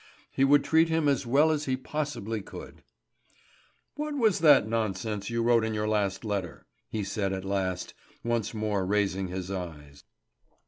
He would treat him as well as he possibly could. "What was that nonsense you wrote in your last letter?" he said at last, once more raising his eyes.